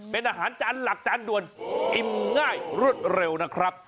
เป็นอาหารจานหลักจานด่วนอิ่มง่ายรวดเร็วนะครับ